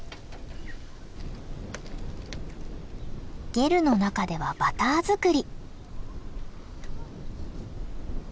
ゲルの中ではバター作り。